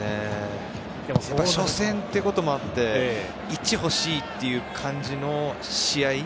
初戦ということもあって１欲しいという感じの試合